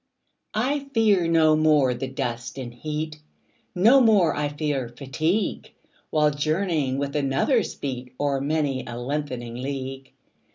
I fear no more the dust and heat, 25 No more I fear fatigue, While journeying with another's feet O'er many a lengthening league.